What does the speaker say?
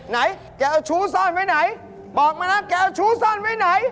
ไหนแกเอาชู้ซ่อนไว้ไหนบอกมานะแกเอาชู้ซ่อนไว้ไหน